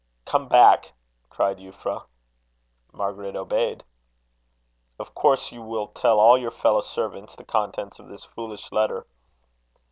"Come back," cried Euphra. Margaret obeyed. "Of course you will tell all your fellow servants the contents of this foolish letter."